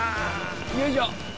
よいしょ。